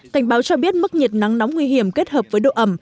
cảnh báo cho biết mức nhiệt nắng nóng nguy hiểm kết hợp với độ ẩm